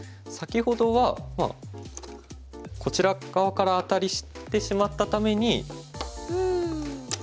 先ほどはこちら側からアタリしてしまったために。